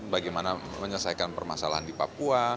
bagaimana menyelesaikan permasalahan di papua